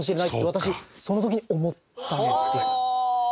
私その時に思ったんです。